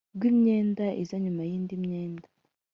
rw imyenda iza nyuma y indi myenda